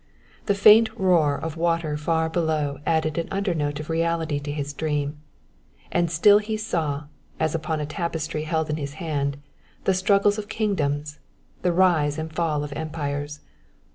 The faint roar of water far below added an under note of reality to his dream; and still he saw, as upon a tapestry held in his hand, the struggles of kingdoms, the rise and fall of empires.